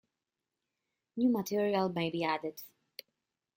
New material may be added.